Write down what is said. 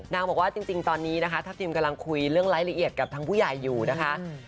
นางบอกว่าจริงตอนนี้นะคะทัพทิมกำลังคุยเรื่องรายละเอียดกับทางผู้ใหญ่อยู่นะคะ